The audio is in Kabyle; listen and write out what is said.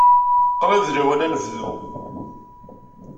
Qrib d lawan ad nebdu.